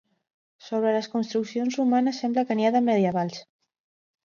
Sobre les construccions romanes sembla que n'hi ha de medievals.